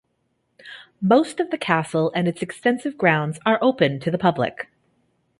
Most of the castle and its extensive grounds are open to the public.